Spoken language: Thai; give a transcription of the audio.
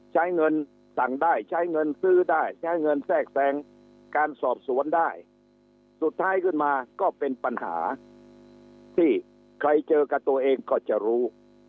ใช้เงินสั่งได้ใช้เงินซื้อได้ใช้เงินแทรกแทรงการสอบสวนได้สุดท้ายขึ้นมาก็เป็นปัญหาที่ใครเจอกับตัวเองก็จะรู้